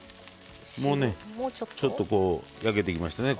もうねちょっとこう焼けてきましたね。